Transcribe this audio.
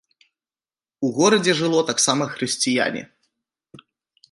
У горадзе жыло таксама хрысціяне.